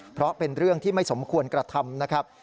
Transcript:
เพราะเป็นเรื่องที่ไม่สมควรกระทำนะครับ